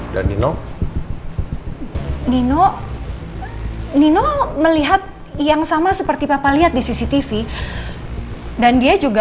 dan nino nino nino melihat yang sama seperti papa lihat di cctv dan dia juga